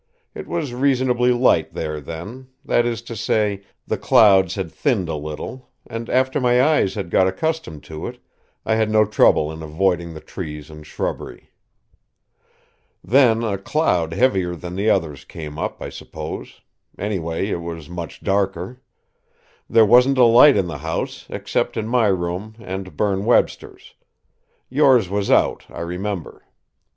It was reasonably light there then that is to say, the clouds had thinned a little, and, after my eyes had got accustomed to it, I had no trouble in avoiding the trees and shrubbery. "Then a cloud heavier than the others came up, I suppose. Anyway, it was much darker. There wasn't a light in the house, except in my room and Berne Webster's. Yours was out, I remember.